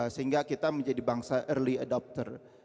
sehingga kita menjadi bangsa early adopter